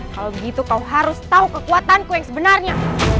kalau begitu kau harus tahu kekuatanku yang sebenarnya